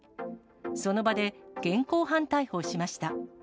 その場で現行犯逮捕しました。